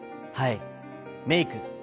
はいメイク